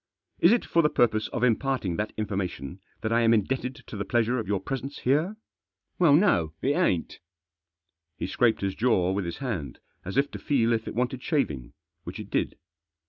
" Is it for the purpose of imparting that information that I am indebted to the pleasure of your presence here?" " Well no ; it ain't" He scraped his jaw with his hand, as if to feel if it wanted shaving, which it did.